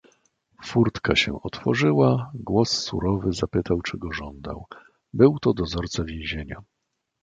"Furtka się otworzyła, głos surowy zapytał czego żądał; był to dozorca więzienia."